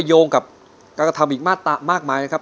ก็ยงใดนี้กับจริงมาตราอีกมากมายนะครับ